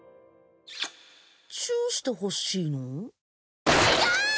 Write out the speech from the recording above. チューしてほしいの？